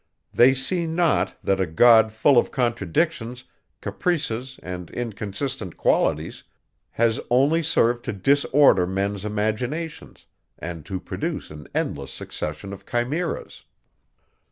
They see not, that a God full of contradictions, caprices and inconsistent qualities, has only served to disorder men's imaginations, and to produce an endless succession of chimeras.